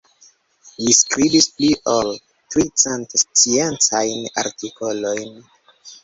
Li skribis pli ol tricent sciencajn artikolojn.